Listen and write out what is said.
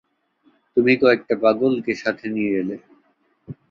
তুমি কয়েকটা পাগলকে সাথে নিয়ে এলে।